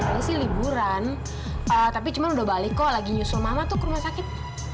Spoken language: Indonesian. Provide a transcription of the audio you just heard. ini sih liburan tapi cuma udah balik kok lagi nyusul mama tuh ke rumah sakit